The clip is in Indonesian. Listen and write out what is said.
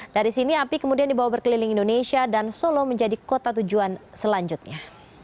dari sini api kemudian dibawa berkeliling indonesia dan solo menjadi kota tujuan selanjutnya